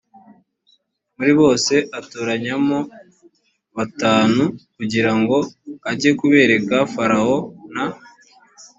muri bose atoranyamo batanu kugira ngo ajye kubereka farawo n